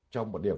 trong một điểm